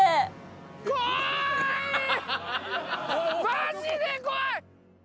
マジで怖い！